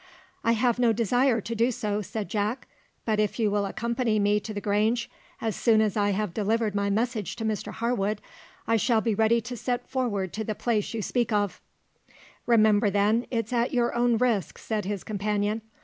"I have no desire to do so," said Jack; "but if you will accompany me to the Grange, as soon as I have delivered my message to Mr Harwood, I shall be ready to set forward to the place you speak of." "Remember, then, it's at your own risk," said his companion.